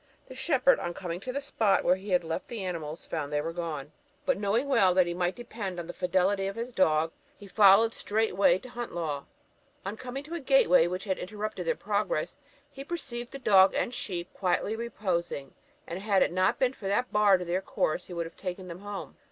The shepherd, on coming to the spot where he had left the animals, found they were gone, but knowing well that he might depend on the fidelity of his dog, he followed the straight way to Hunt Law. On coming to a gateway which had interrupted their progress, he perceived the dog and sheep quietly reposing; and had it not been for that bar to their course he would have taken them home.